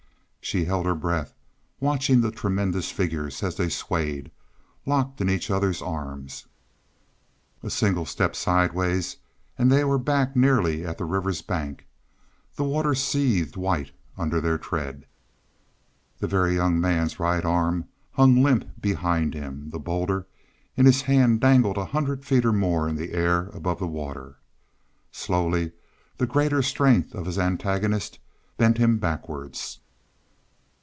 She held her breath, watching the tremendous figures as they swayed, locked in each other's arms. A single step sidewise and they were back nearly at the river's bank; the water seethed white under their tread. The Very Young Man's right arm hung limp behind him; the boulder in his hand dangled a hundred feet or more in the air above the water. Slowly the greater strength of his antagonist bent him backwards.